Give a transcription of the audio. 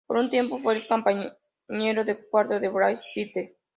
Por un tiempo, fue el compañero de cuarto de Brad Pitt.